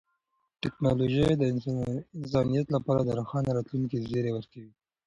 ټیکنالوژي د انسانیت لپاره د روښانه راتلونکي زیری ورکوي.